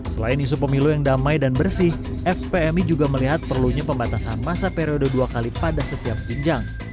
selain isu pemilu yang damai dan bersih fpmi juga melihat perlunya pembatasan masa periode dua kali pada setiap jenjang